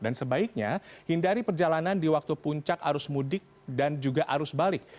dan sebaiknya hindari perjalanan di waktu puncak arus mudik dan juga arus balik